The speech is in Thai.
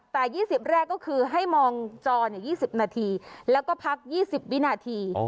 แต่๒๐แรกก็คือให้มองจอ๒๐นาทีแล้วก็พัก๒๐วินาที